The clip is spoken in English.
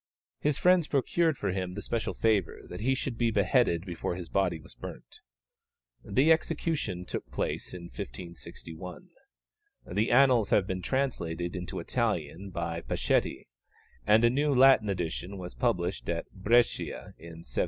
His friends procured for him the special favour that he should be beheaded before his body was burnt. The execution took place in 1561. The annals have been translated into Italian by Paschetti, and a new Latin edition was published at Brescia in 1747.